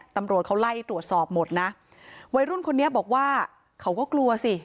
ตำรวจเขาไล่ตรวจสอบหมดนะวัยรุ่นคนนี้บอกว่าเขาก็กลัวสิ